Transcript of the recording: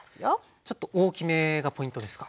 ちょっと大きめがポイントですか？